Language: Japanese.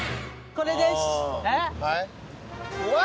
これです。